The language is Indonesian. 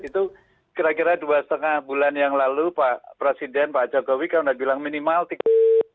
itu kira kira dua lima bulan yang lalu pak presiden pak jokowi kalau bilang minimal tiga